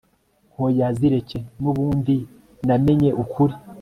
hoya zireke nubundi namenye ukuri